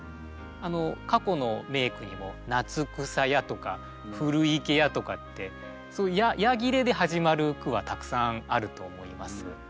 過去の名句にも「夏草や」とか「古池や」とかって「や切れ」で始まる句はたくさんあると思います。